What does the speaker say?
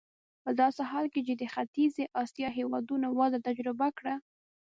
په داسې حال کې چې د ختیځې اسیا هېوادونو وده تجربه کړه.